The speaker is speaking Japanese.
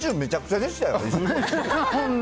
Ｖ中、めちゃくちゃでしたよ。